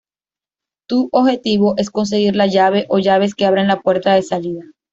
Tu objetivo es conseguir la llave o llaves que abren la puerta de salida.